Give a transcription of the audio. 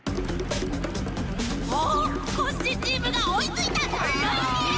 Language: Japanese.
おおコッシーチームがおいついた！はいや！